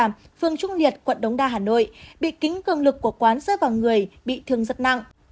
phương trung liệt quận đống đa hà nội bị kính cường lực của quán rơi vào người bị thương rất nặng